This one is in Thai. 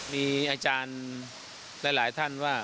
๕๖ปีแล้วราย๑๐ล้าน